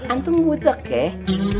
antum butuh keh